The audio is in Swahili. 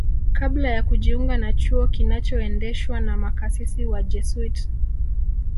kabla ya kujiunga na chuo kinachoendeshwa na makasisi wa Jesuit